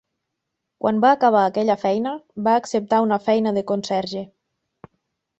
Quan va acabar aquella feina, va acceptar una feina de conserge.